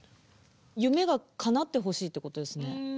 夢がかなってほしいってことですね。